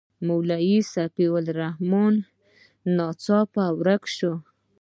مولوي سیف الرحمن ناڅاپه ورک شو.